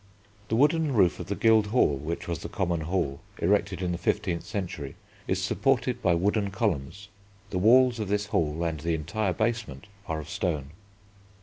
The wooden roof of the Guild Hall, which was the Common Hall, erected in the fifteenth century, is supported by wooden columns. The walls of this hall and the entire basement are of stone.